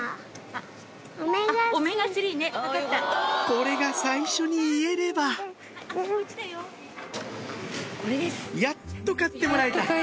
これが最初に言えればやっと買ってもらえた！